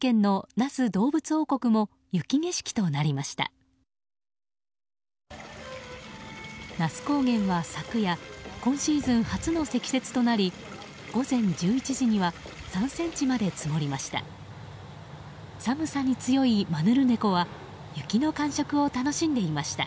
那須高原は昨夜今シーズン初の積雪となり午前１１時には３ｃｍまで積もりました。